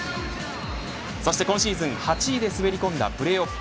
そして今シーズン８位で滑り込んだプレーオフ。